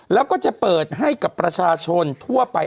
แล้วก็จะเปิดให้กับประชาชนทั่วไป